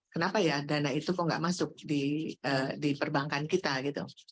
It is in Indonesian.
kenapa ya dana itu kok nggak masuk di perbankan kita gitu